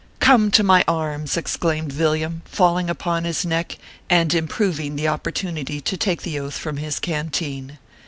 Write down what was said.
" Come to my arms !" exclaimed Villiam, falling upon his neck, and improving the opportunity to take the Oath from his canteen.